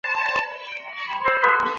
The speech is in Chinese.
此后没有更改过。